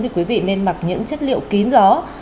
thì quý vị nên mặc những chất liệu kín gió